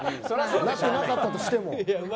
なってなかったとしても。